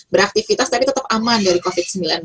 beraktivitas tapi tetap aman dari covid sembilan belas